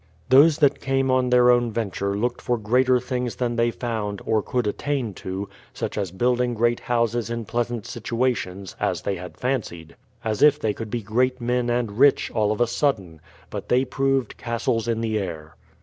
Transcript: Those that came on their own venture looked for greater things than they found, or could attain to, such as building great houses in pleasant situations, as they had fancied, — 126 BRADFORD'S HISTORY OF as if they could be great men, and rich, all of a sudden; but they proved castles in the air.